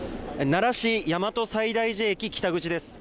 奈良市大和西大寺駅北口です。